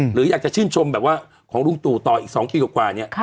หรืออยากจะชื่นชมแบบว่าของลุงตู่ต่ออีก๒ปีกว่าเนี่ย